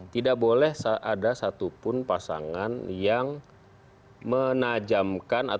tidak boleh ada satupun pasangan yang menajamkan